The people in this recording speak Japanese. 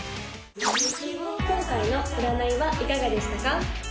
今回の占いはいかがでしたか？